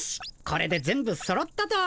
これで全部そろったと。